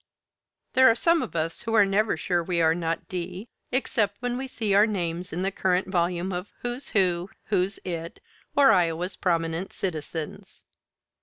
_" There are some of us who are never sure we are not "d." except when we see our names in the current volume of "Who's Who," "Who's It," or "Iowa's Prominent Citizens."